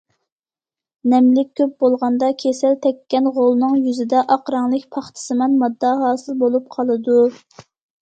نەملىك كۆپ بولغاندا، كېسەل تەككەن غولنىڭ يۈزىدە ئاق رەڭلىك پاختىسىمان ماددا ھاسىل بولۇپ قالىدۇ.